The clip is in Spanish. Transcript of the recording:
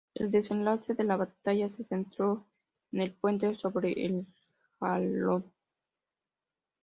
El desenlace de la batalla se centró en el puente sobre el Jalón.